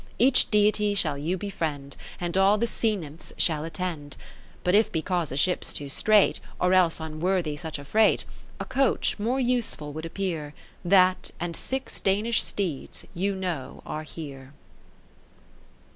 Each Deity shall you befriend, 40 And all the Sea Nymphs shall attend ; But if because a ship 's too strait ", Or else unworthy such a freight, A coach more useful would appear. That and six Danish steeds you know are here.